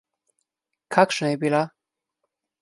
Kakšna je bila?